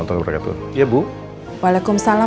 waalaikumsalam pak sofiakut bapak ibu